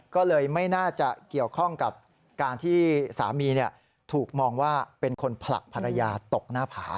ก็เลยไม่น่าจะเกี่ยวข้องกับการที่สามีถูกมองว่าเป็นคนผลักภรรยาตกหน้าผา